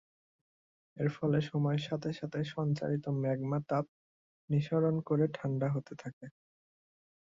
এর ফলে সময়ের সাথে সাথে সঞ্চারিত ম্যাগমা তাপ নিঃসরণ করে ঠান্ডা হতে থাকে।